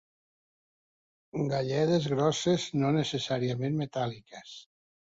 Galledes grosses, no necessàriament metàl·liques.